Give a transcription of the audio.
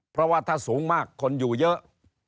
เพราะว่าถ้าสูงมากคนอยู่เยอะ